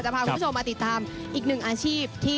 พาคุณผู้ชมมาติดตามอีกหนึ่งอาชีพที่